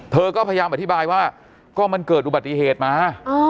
เธอก็พยายามอธิบายว่าก็มันเกิดอุบัติเหตุมา